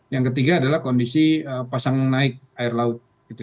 yang ketiga adalah kondisi pasang naik air laut